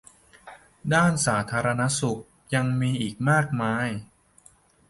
ด้านสาธารณสุขยังมีอีกมาก